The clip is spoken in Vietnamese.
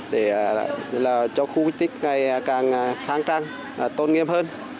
để cho khu di tích ngày càng khang trang tôn nghiêm hơn